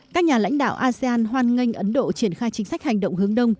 các nhà lãnh đạo asean hoan nghênh ấn độ triển khai chính sách hành động hướng đông